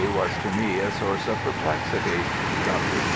was to me a source of perplexity, Dr. Q.